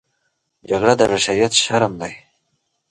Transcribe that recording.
جګړه د بشریت شرم دی